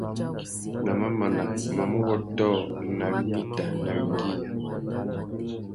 Na mamana, mamú wôtō nà winita nà « wingüiya ».